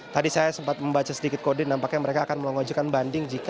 tadi saya sempat membaca sedikit kodim nampaknya mereka akan mengajukan banding jika